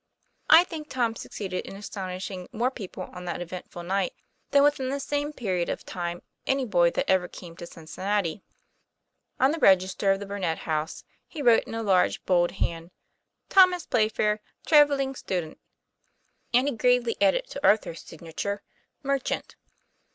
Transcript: I think Tom succeeded in astonishing more people on that eventful night than, within the same period of time, any boy that ever came to Cincinnati. On the register of the Burnet House he wrote in a large, bold hand: "Thomas Playfair, travelling student," and he gravely added to Arthur's signature "merchant."